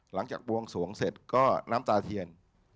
บวงสวงเสร็จก็น้ำตาเทียน